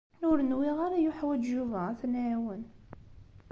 Ur nwiɣ ara yuḥwaǧ Yuba ad t-nɛiwen.